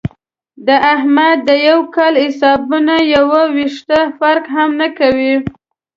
د احمد د یوه کال حسابونو یو وېښته فرق هم ونه کړ.